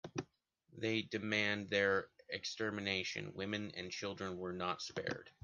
They demand their extermination, women and children were not spared.